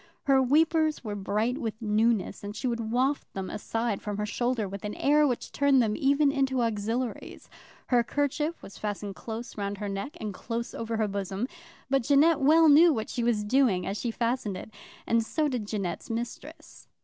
Her weepers were bright with newness, and she would waft them aside from her shoulder with an air which turned even them into auxiliaries. Her kerchief was fastened close round her neck and close over her bosom; but Jeannette well knew what she was doing as she fastened it, and so did Jeannette's mistress.